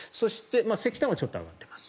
石炭はちょっと上がってます。